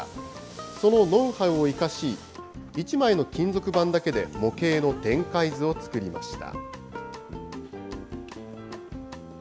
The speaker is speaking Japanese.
そのノウハウを生かし、１枚の金属板だけで、模型の展開図を作りました。